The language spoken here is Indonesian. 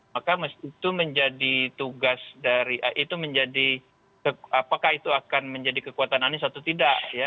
maka itu menjadi tugas dari itu menjadi apakah itu akan menjadi kekuatan anies atau tidak ya